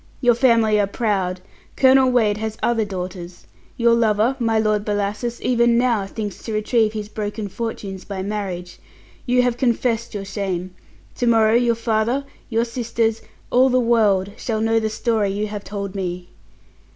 Your family are proud. Colonel Wade has other daughters. Your lover, my Lord Bellasis, even now, thinks to retrieve his broken fortunes by marriage. You have confessed your shame. To morrow your father, your sisters, all the world, shall know the story you have told me!"